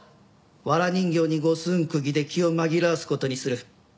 わら人形に五寸釘で気を紛らわす事にする。